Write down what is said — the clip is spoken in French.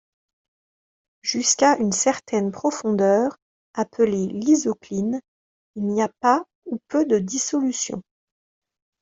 Jusqu'à une certaine profondeur, appelée lysocline, il n'y a pas ou peu de dissolution.